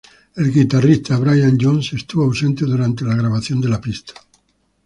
El guitarrista Brian Jones estuvo ausente durante la grabación de la pista.